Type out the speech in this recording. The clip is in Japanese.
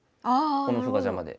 この歩が邪魔で。